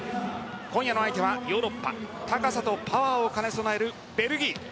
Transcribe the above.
今夜の相手はヨーロッパ高さとパワーを兼ね備えるベルギー。